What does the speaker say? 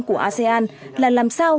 của asean là làm sao